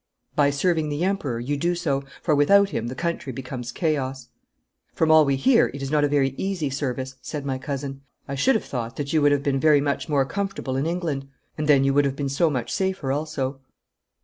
'By serving the Emperor you do so, for without him the country becomes chaos.' 'From all we hear it is not a very easy service,' said my cousin. 'I should have thought that you would have been very much more comfortable in England and then you would have been so much safer also.'